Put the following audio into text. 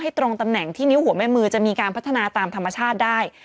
ตรงตำแหน่งที่นิ้วหัวแม่มือจะมีการพัฒนาตามธรรมชาติได้